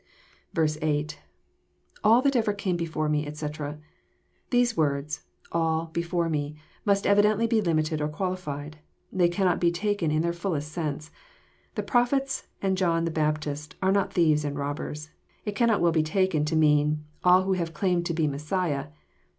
8. — [^All that ever came before f»6, etc."] These words, <* All, before Me," must evidently be limited or qualified. They cannot be taken in their ftillest sense. The prophets and John the Bap tist were not thieves and robbers. It cannot well be taken to mean, " All who have claimed to be the Messiah."